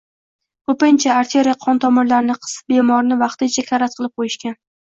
Ko‘pincha arteriya qon tomirlarini qisib, bemorni vaqtincha karaxt qilib qo‘yishgan